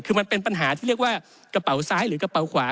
คือมันเป็นปัญหาที่เรียกว่ากระเป๋าซ้ายหรือกระเป๋าขวา